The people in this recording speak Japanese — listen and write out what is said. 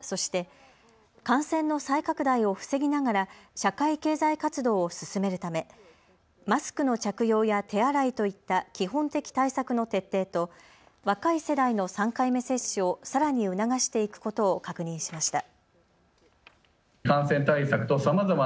そして、感染の再拡大を防ぎながら社会経済活動を進めるため、マスクの着用や手洗いといった基本的対策の徹底と若い世代の３回目接種をさらに促していくことを確認しました。